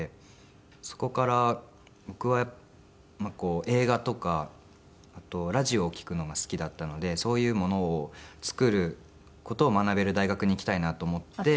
そこから僕は映画とかラジオを聴くのが好きだったのでそういうものを作る事を学べる大学に行きたいなと思って。